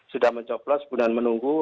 sudah mencoplos mudah menunggu